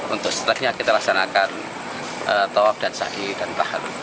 untuk setelah itu kita akan melakukan tawaf dan sahih dan tahan